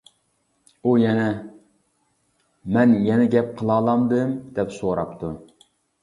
ئۇ يەنە «مەن يەنە گەپ قىلالامدىم» دەپ سوراپتۇ.